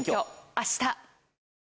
あした。